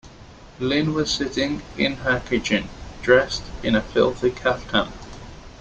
Lynne was sitting in her kitchen, dressed in a filthy kaftan.